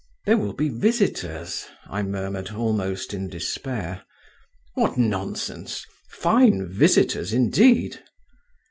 "There will be visitors," I murmured almost in despair. "What nonsense! fine visitors indeed!"